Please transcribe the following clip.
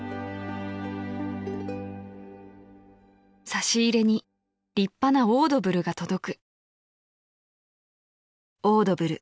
［「差し入れに立派なオードブルが届く」］